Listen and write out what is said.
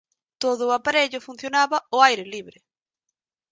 Todo o aparello funcionaba ao aire libre.